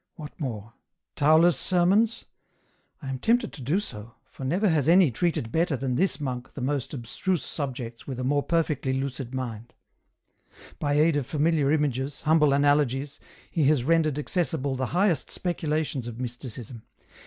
What more — Tauler's Sermons ? I am tempted to do so, for never has any treated better than this monk the most abstruse subjects with a more perfectly lucid mind. By aid of familiar images, humble analogies, he has rendered accessible the highest speculations of Mysticism.